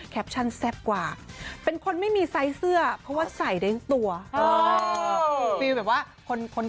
คือใบเฟิร์นเขาเป็นคนที่อยู่กับใครก็ได้ค่ะแล้วก็ตลกด้วย